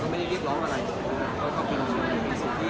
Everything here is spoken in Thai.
ก็ว่าอาจจะส่งใหญ่ก็มาจากตัวเราเองนี่แหละ